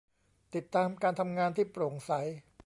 ติดตามการทำงานที่โปร่งใส